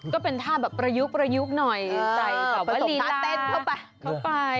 ก็เป็นท่าประยุกต์หน่อยใส่ผสมตะเต้นเข้าไป